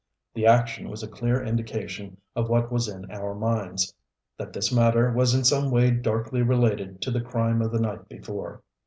The action was a clear indication of what was in our minds that this matter was in some way darkly related to the crime of the night before.